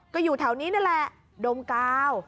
ก็อยู่แถวนี้นั่นแหละดมกาว